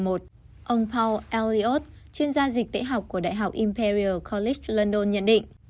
ông paul elliot chuyên gia dịch tễ học của đại học imperial college london nhận định